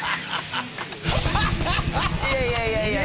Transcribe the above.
いやいやいやいやいや！